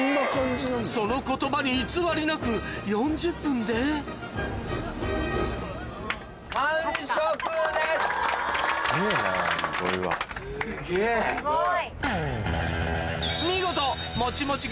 その言葉に偽りなく４０分ですごい！